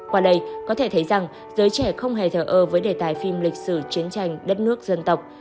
qua đây có thể thấy rằng giới trẻ không hề thở ơ với đề tài phim lịch sử chiến tranh đất nước dân tộc